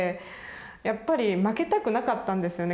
やっぱり負けたくなかったんですよね